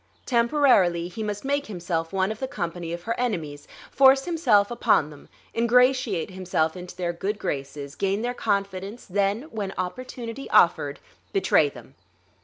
Temporarily he must make himself one of the company of her enemies, force himself upon them, ingratiate himself into their good graces, gain their confidence, then, when opportunity offered, betray them.